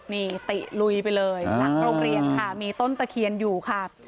นี่ติลุยไปเลยหลังโรงเรียนค่ะมีต้นตะเคียนอยู่ค่ะ